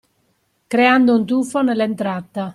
Creando un tuffo nell’entrata